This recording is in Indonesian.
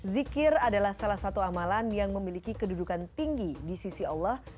zikir adalah salah satu amalan yang memiliki kedudukan tinggi di sisi allah